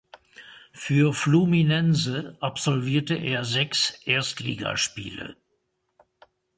Für Fluminense absolvierte er sechs Erstligaspiele.